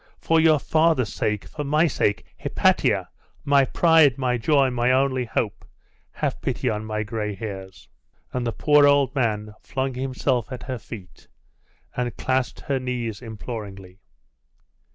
for your father's sake! for my sake! Hypatia! my pride, my joy, my only hope! have pity on my gray hairs!' And the poor old man flung himself at her feet, and clasped her knees imploringly.